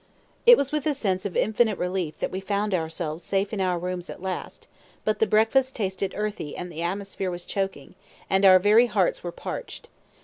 It was with a sense of infinite relief that we found ourselves safe in our rooms at last; but the breakfast tasted earthy and the atmosphere was choking, and our very hearts were parched.